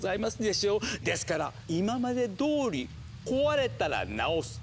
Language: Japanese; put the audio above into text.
ですから今までどおり壊れたらなおす。